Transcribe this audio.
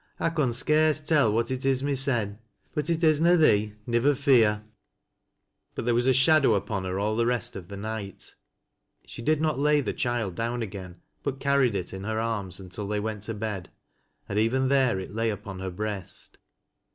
I con scarce tell what it is mysen, but it is na thee, nivvei fpar." But there was a shadow upon her all the rest of the night. She did not lay the child down again, but carried it in her arms until they went to bed, and even there it lay upon her breast.